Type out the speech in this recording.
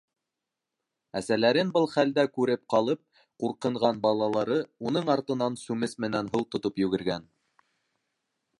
Әсәләрен был хәлдә күреп ҡалып ҡурҡынған балалары уның артынан сүмес менән һыу тотоп йүгергән: